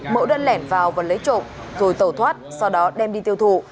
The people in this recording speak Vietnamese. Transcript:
mẫu đơn lẻn vào và lấy trộm rồi tẩu thoát sau đó đem đi tiêu thụ